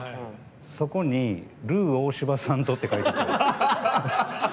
そこに「ルー大柴さんと」って書いてあって。